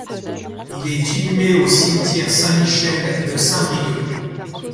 Il est inhumé au cimetière Saint-Michel de Saint-Brieuc.